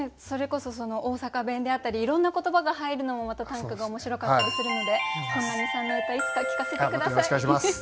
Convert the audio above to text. それこそその大阪弁であったりいろんな言葉が入るのもまた短歌が面白かったりするので本並さんの歌いつか聞かせて下さい。